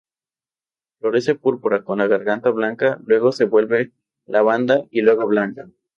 Florece púrpura con la garganta blanca, luego se vuelve lavanda y luego blanca.